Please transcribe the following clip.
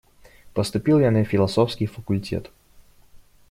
Поступил я на философский факультет.